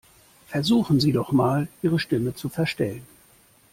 Versuchen Sie doch mal, Ihre Stimme zu verstellen.